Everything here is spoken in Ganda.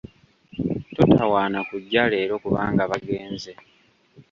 Totawaana kujja leero kubanga bagenze.